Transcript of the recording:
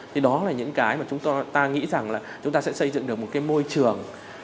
thì đó là những cái mà chúng ta nghĩ rằng là chúng ta sẽ xây dựng được một cái môi trường